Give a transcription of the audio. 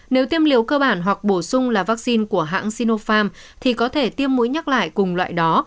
nếu tiêm liều cơ bản hoặc bổ sung là vaccine của hãng sinofarm thì có thể tiêm mũi nhắc lại cùng loại đó